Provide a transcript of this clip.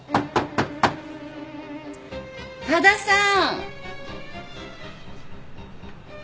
多田さん。